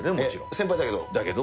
先輩だけど？